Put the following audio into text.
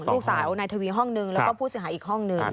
ลูกสาวนายทวีห้องนึงแล้วก็ผู้เสียหายอีกห้องหนึ่ง